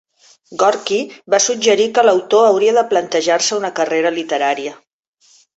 Gorky va suggerir que l'autor hauria de plantejar-se una carrera literària.